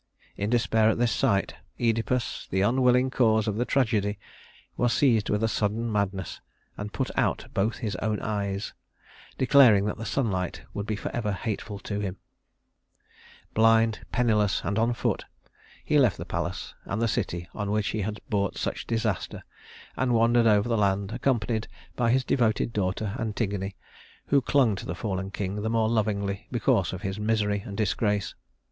In despair at this sight Œdipus, the unwilling cause of the tragedy, was seized with a sudden madness and put out both his own eyes, declaring that the sunlight would be forever hateful to him. [Illustration: Œdipus and Antigone] Blind, penniless, and on foot, he left the palace and the city on which he had brought such disaster, and wandered over the land accompanied by his devoted daughter Antigone, who clung to the fallen king the more lovingly because of his misery and disgrace.